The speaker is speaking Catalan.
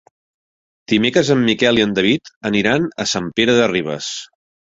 Dimecres en Miquel i en David aniran a Sant Pere de Ribes.